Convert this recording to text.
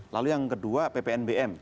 lalu yang kedua ppnbm